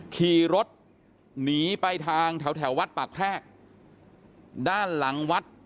ขี่รถหนีไปทางแถวแถววัดปากแพรกด้านหลังวัด